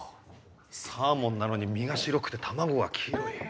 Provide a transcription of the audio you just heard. サーモンなのに身が白くて卵が黄色い。